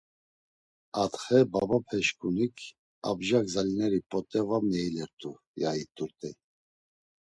Atxe babapeşǩunik, Abja gzalineri p̌ot̆e var meilert̆u, ya it̆urt̆ey.